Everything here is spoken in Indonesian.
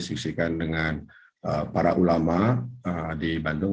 diskusikan dengan para ulama di bandung